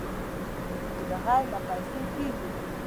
چې بغیر له پېسو کېږي.